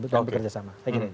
dan bekerja sama